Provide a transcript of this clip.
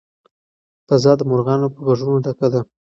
فضا د مرغانو په غږونو ډکه ده.